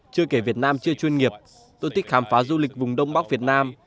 chưa kể việt nam chưa chuyên nghiệp tôi thích khám phá du lịch vùng đông bắc việt nam